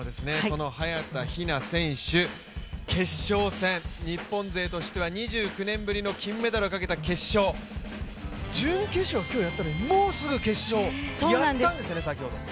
早田ひな選手、決勝戦日本勢としては２９年ぶりの金メダルをかけた決勝、準決勝もうやったのに、決勝先ほどやったんですよね。